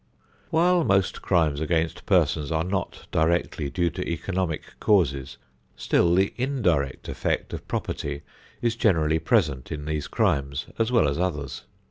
While most crimes against persons are not directly due to economic causes, still the indirect effect of property is generally present in these crimes as well as others.